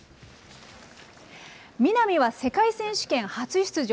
南は世界選手権初出場。